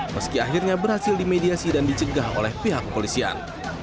meski akhirnya berhasil dimediasi dan dicegah oleh pihak kepolisian